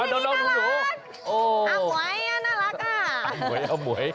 อันนี้น่ารัก